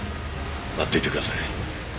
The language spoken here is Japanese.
待っていてください。